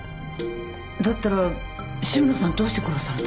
だったら志村さんどうして殺されたの？